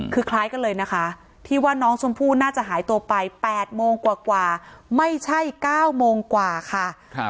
คือคล้ายกันเลยนะคะที่ว่าน้องชมพู่น่าจะหายตัวไป๘โมงกว่าไม่ใช่๙โมงกว่าค่ะ